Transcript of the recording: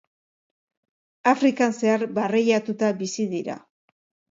Afrikan zehar barreiatuta bizi dira.